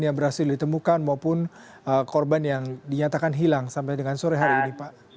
yang berhasil ditemukan maupun korban yang dinyatakan hilang sampai dengan sore hari ini pak